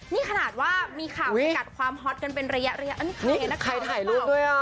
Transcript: นี่ขนาดว่ามีข่าวเกิดขาดความฮอตกันเป็นระยะนั้นก็เห็นนะจ๊ะล่ะผมนี่ใครถ่ายรูปด้วยน่ะ